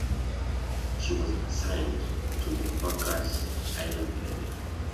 She was assigned to the Marcus Island area.